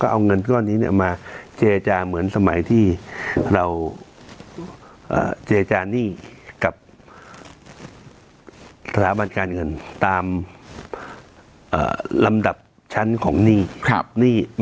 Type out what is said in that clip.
เพราะเราก็ไม่มีการเงินตามรำดับชั้นของหนี้